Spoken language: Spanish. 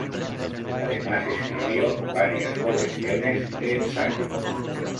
Además escribió varias colecciones de ensayos.